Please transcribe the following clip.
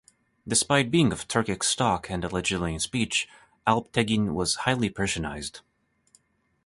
Despite being of Turkic stock and allegedly in speech, Alp-Tegin was highly Persianized.